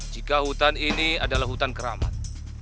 jika hutan ini adalah hutan keramat